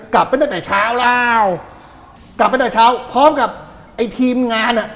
กลับไปตั้งแต่เช้าแล้วกลับมาแต่เช้าพร้อมกับไอ้ทีมงานอ่ะ